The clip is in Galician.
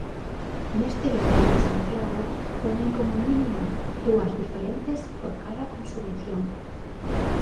Neste local de Santiago poñen como mínimo dúas diferentes por cada consumición.